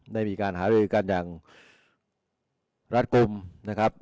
ได้มีการหารือกันอย่างรัดกลุ่มนะครับ